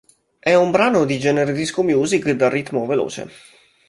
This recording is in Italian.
È un brano di genere disco music dal ritmo veloce.